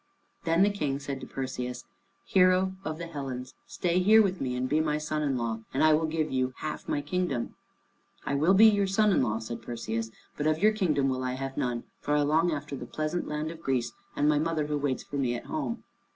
Then the King said to Perseus, "Hero of the Hellens, stay here with me and be my son in law, and I will give you the half of my kingdom." "I will be your son in law," said Perseus, "but of your kingdom will I have none, for I long after the pleasant land of Greece, and my mother who waits for me at home."